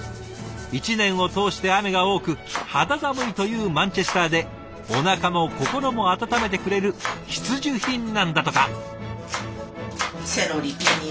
一年を通して雨が多く肌寒いというマンチェスターでおなかも心も温めてくれる必需品なんだとか。